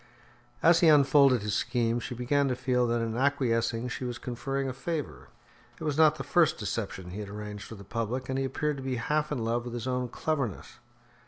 As he unfolded his scheme, she began to feel that in acquiescing she was conferring a favour. It was not the first deception he had arranged for the public, and he appeared to be half in love with his own cleverness.